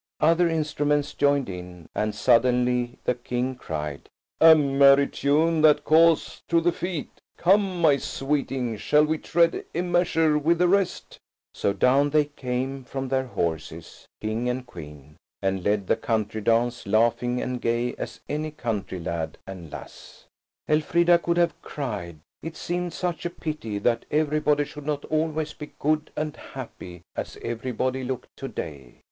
Other instruments joined in, and suddenly the King cried, "A merry tune that calls to the feet. Come, my sweeting, shall we tread a measure with the rest?" So down they came from their horses, King and Queen, and led the country dance, laughing and gay as any country lad and lass. Elfrida could have cried. It seemed such a pity that everybody should not always be good and happy, as everybody looked to day.